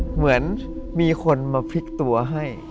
เหมือนมีคนมาพลิกตัวให้